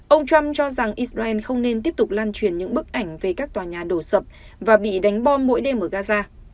ông trump cho rằng israel không nên tiếp tục lan truyền những bức ảnh về các tòa nhà đổ sập và bị đánh bom mỗi đêm ở gaza